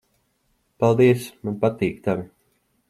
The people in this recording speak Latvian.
Paldies. Man patīk tavi.